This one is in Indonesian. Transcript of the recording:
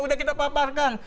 udah kita paparkan